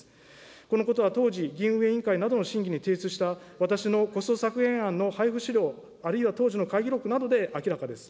このことは当時、議院運営委員会などの審議に提出した私のコスト削減案の配付資料、あるいは当時の会議録などで明らかです。